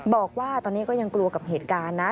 บอกว่าตอนนี้ก็ยังกลัวกับเหตุการณ์นะ